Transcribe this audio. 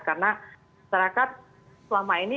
karena masyarakat selama ini